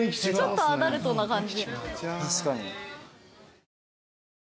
ちょっとアダルトな感じ。